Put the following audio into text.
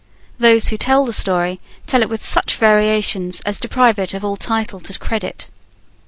Those who tell the story tell it with such variations as deprive it of all title to credit.